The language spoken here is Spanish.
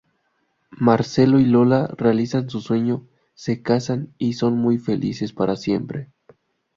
Marcelo y Lola realizan su sueño, se casan y son muy felices para siempre.